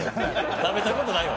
食べたことないわ。